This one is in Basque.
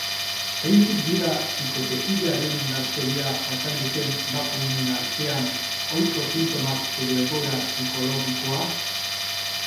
Zeintzuk dira bikotekidearen indarkeria jasan duten emakumeen artean ohiko sintomak edo egoera psikologikoa?